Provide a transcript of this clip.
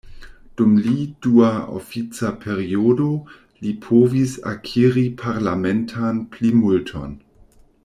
Dum li dua ofica periodo, li povis akiri parlamentan plimulton.